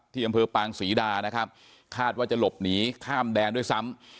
ที่อำเภอปางศรีดานะครับคาดว่าจะหลบหนีข้ามแดนด้วยซ้ำ